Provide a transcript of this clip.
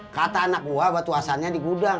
kata anak gue batu asannya di gudang